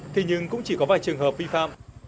thế nhưng cũng chỉ có vài trường hợp vi phạm